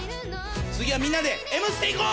次はみんなで『Ｍステ』いこう！